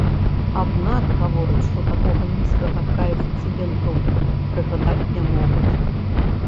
Аднак гавораць, што такога нізкага каэфіцыенту прыгадаць не могуць.